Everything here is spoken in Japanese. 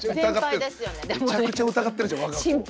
めちゃくちゃ疑ってる。